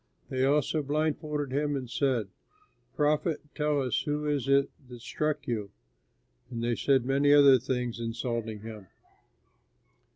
They also blindfolded him and said, "Prophet, tell us who is it that struck you?" And they said many other things, insulting him.